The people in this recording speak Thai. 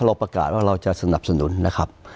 เราประกาศว่าเราจะสนับสนุนนะครับ